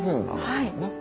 はい。